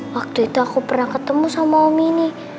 waktu itu aku pernah ketemu sama om ini